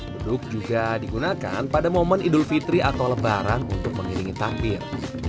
beduk juga digunakan pada momen idul fitri atau lebaran untuk mengiringi takbir